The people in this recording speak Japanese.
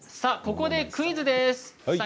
ここでクイズです。